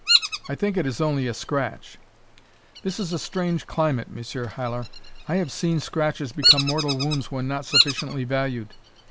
"I think it is only a scratch." "This is a strange climate, Monsieur Haller. I have seen scratches become mortal wounds when not sufficiently valued.